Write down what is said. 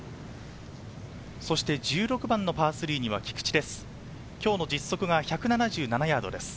そして１６番のパー３には菊地です。